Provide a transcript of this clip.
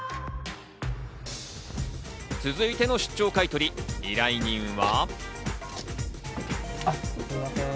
続いての出張買い取り、依頼人は。